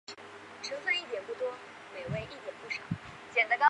新几内亚岛一般不纳入马来群岛之范畴。